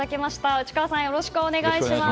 内川さん、よろしくお願いします。